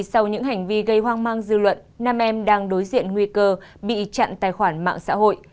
sau những hành vi gây hoang mang dư luận nam em đang đối diện nguy cơ bị chặn tài khoản mạng xã hội